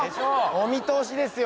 お見通しですよ